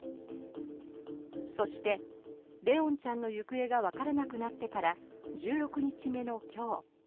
そして、怜音ちゃんの行方がわからなくなってから１６日目の今日。